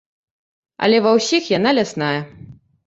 Але ва ўсіх яна лясная.